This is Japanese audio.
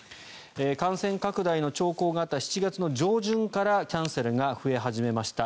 感染拡大の兆候があった７月の上旬からキャンセルが増え始めました。